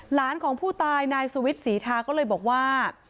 หลานของผู้ตายนายสุวิทย์ศรีทาก็เลยบอกว่า